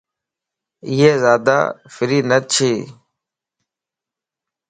اي زيادا فري نه ڇي